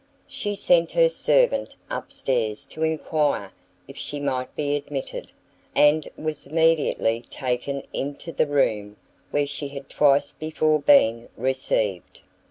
She sent her servant up stairs to enquire if she might be admitted, and was immediately taken into the room where she had twice before been received.